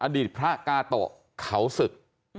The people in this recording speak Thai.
อดิตพระกาโตข่าวศึก